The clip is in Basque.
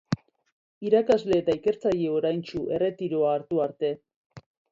Irakasle eta ikertzaile oraintsu erretiroa hartu arte.